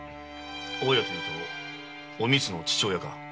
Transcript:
大家というとおみつの父親か？